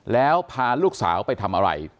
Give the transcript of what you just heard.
แล้วพาลูกสาวไปทำอะไร